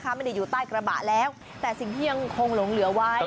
ไม่ได้อยู่ใต้กระบะแล้วแต่สิ่งที่ยังคงหลงเหลือไว้